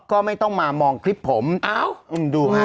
ก็ไม่ต้องมามองคลิปผมเอ้าดูฮะ